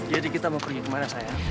jadi kita mau pergi kemana sayang